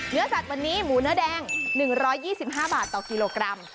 เนื้อสัตว์วันนี้หมูเนื้อแดง๑๒๕บาทต่อกิโลกรัม